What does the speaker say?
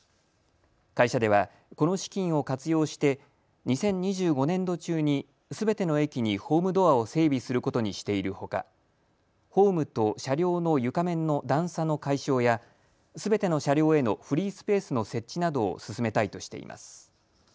会社ではこの資金を活用して２０２５年度中にすべての駅にホームドアを整備することにしているほかホームと車両の床面の段差の解消やすべての車両へのフリースペースの設置などを進めたいとしています。